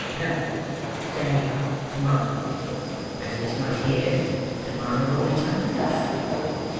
No, say to morrow. As he is not here, to morrow will be time enough."